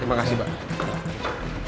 terima kasih pak